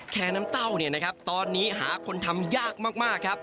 แขนน้ำเต้าตอนนี้หาคนทำยากมาก